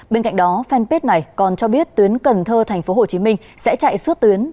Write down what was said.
bên cạnh đó fanpage này còn cho biết tuyến cần thơ tp hcm sẽ chạy suốt tuyến